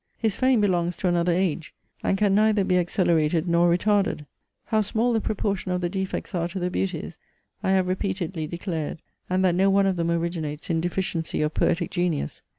His fame belongs to another age, and can neither be accelerated nor retarded. How small the proportion of the defects are to the beauties, I have repeatedly declared; and that no one of them originates in deficiency of poetic genius.